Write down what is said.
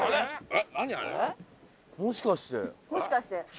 もしかして。